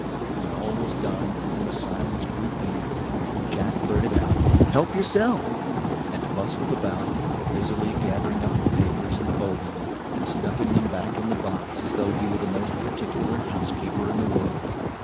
When all was done, and the silence grew painful, Jack blurted out: "Help yourself," and bustled about, busily gathering up the papers and folding them, and stuffing them back in the box, as though he were the most particular housekeeper in the world.